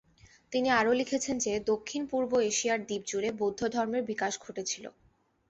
তিনি আরও লিখেছেন যে, "দক্ষিণ-পূর্ব এশিয়ার দ্বীপজুড়ে বৌদ্ধধর্মের বিকাশ ঘটেছিল।